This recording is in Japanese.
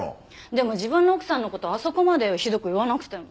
でも自分の奥さんの事をあそこまでひどく言わなくても。